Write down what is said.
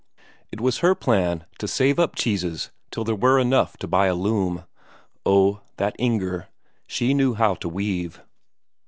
It was her plan to save up cheeses till there were enough to buy a loom. Oh, that Inger; she knew how to weave.